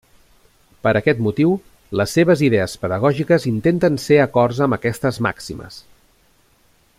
Per aquest motiu, les seves idees pedagògiques intenten ser acords amb aquestes màximes.